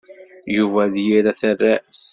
Yuba d yir aterras.